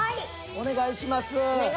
お願いします。